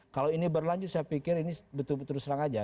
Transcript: kalau ini berlanjut saya pikir ini betul betul serang aja